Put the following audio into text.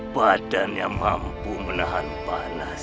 padanya mampu menahan panas